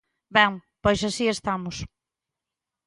Ben, pois así estamos.